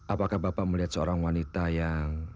apakah bapak melihat seorang wanita yang